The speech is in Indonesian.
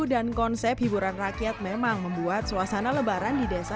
dan konsep hiburan rakyat memang membuat suasana lebaran di desa